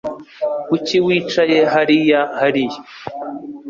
Kuki wicaye hariya hariya?